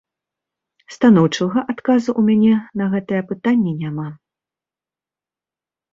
Станоўчага адказу ў мяне на гэтае пытанне няма.